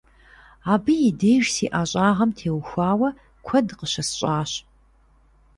Абы и деж си ӀэщӀагъэм теухуауэ куэд къыщысщӀащ.